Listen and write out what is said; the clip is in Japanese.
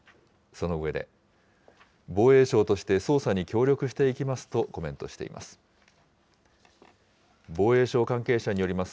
その上で、防衛省として捜査に協力していきますとコメントしています。